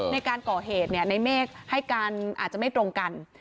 ในการก่อเหตุในเมฆให้การอาจจะไม่ตรงกัน